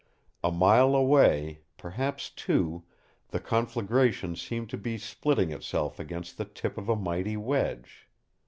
A mile away, perhaps two, the conflagration seemed to be splitting itself against the tip of a mighty wedge.